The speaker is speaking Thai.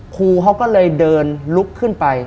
ครูเขาก็เลยเดินลุกขึ้นไป